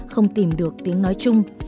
không tìm được tiếng nói chung